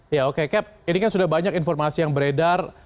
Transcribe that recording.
ya oke cap ini kan sudah banyak informasi yang beredar